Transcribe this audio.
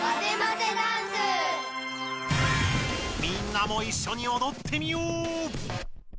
みんなもいっしょにおどってみよう！